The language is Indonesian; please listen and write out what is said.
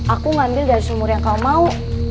aku ngambil dari sumur yang kamu mau